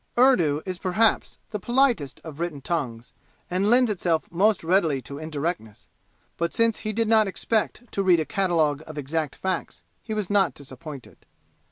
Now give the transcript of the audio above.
Urdu is perhaps the politest of written tongues and lends itself most readily to indirectness; but since he did not expect to read a catalogue of exact facts, he was not disappointed.